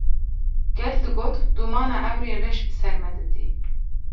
Gel digot: “Dûmana ewrên reş bi ser me de tê”